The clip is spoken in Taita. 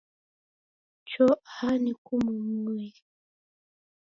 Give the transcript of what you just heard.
Cho aha nikumumuye